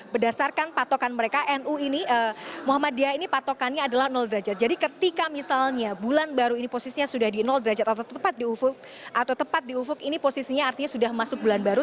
berdasarkan patokan mereka nu ini muhammadiyah ini patokannya adalah derajat jadi ketika misalnya bulan baru ini posisinya sudah di derajat atau tepat di ufud atau tepat di ufuk ini posisinya artinya sudah masuk bulan baru